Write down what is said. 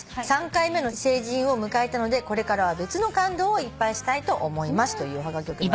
「３回目の成人を迎えたのでこれからは別の感動をいっぱいしたいと思います」というおはがきを。